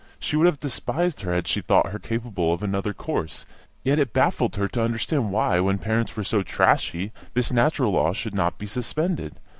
She would have despised her had she thought her capable of another course; yet it baffled her to understand why, when parents were so trashy, this natural law should not be suspended.